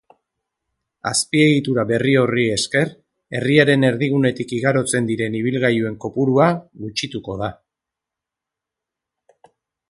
Azpiegitura berri horri esker herriaren erdigunetik igarotzen diren ibilgailuen kopurua gutxituko da.